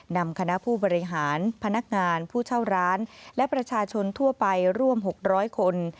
นำคณะผู้บริหารพนักงานผู้เช่าร้านและประชาชนทั่วไปร่วม๖๐๐คน